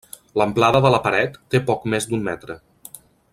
L'amplada de la paret té poc més d'un metre.